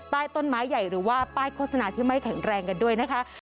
ใต้ต้นไม้ใหญ่หรือว่าป้ายโฆษณาที่ไม่แข็งแรงกันด้วยนะคะ